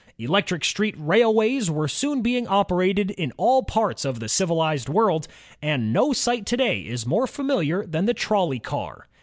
Electric street railways were soon being operated in all parts of the civilized world, and no sight to day is more familiar than the trolley car.